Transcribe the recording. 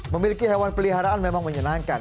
memiliki hewan peliharaan memang menyenangkan